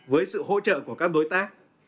với sự hỗ trợ của các đối tác